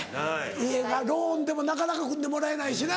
家がローンでもなかなか組んでもらえないしな。